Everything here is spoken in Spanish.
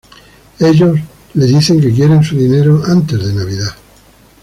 Ellos le dicen que quieren su dinero antes de Navidad.